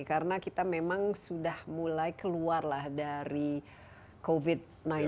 karena kita memang sudah mulai keluar lah dari covid sembilan belas